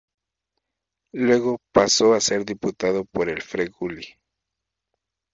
Luego pasó a ser diputado por el Frejuli.